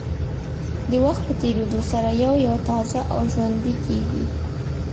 د وخت په تېرېدو سره یو یو تازه او ژوندۍ کېږي.